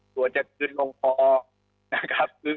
ส่วนจะคืนลงท้องน่ะครับ